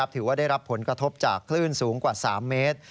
ถือว่าได้รับผลกระทบจากคลื่นสูงกว่า๓เมตร